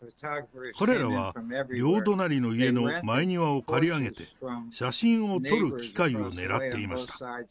彼らは両隣の家の前庭を借り上げて、写真を撮る機会をねらっていました。